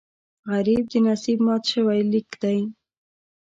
غریب د نصیب مات شوی لیک دی